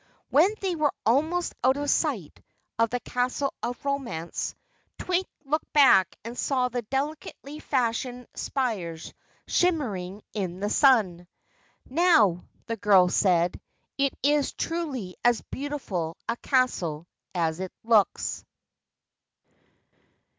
When they were almost out of sight of the Castle of Romance, Twink looked back and saw the delicately fashioned spires shimmering in the sun. "Now," the girl said, "it is truly as beautiful a castle as it looks."